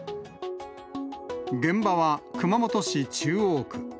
現場は熊本市中央区。